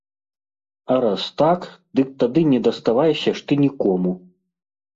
А раз так, дык тады не даставайся ж ты нікому!